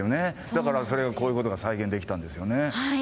だからこういうことが再現できたんですよね。